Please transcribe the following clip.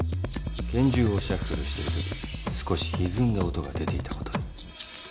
拳銃をシャッフルしているとき少しひずんだ音が出ていたことに。